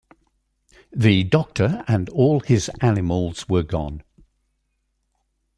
The Doctor and all his animals were gone.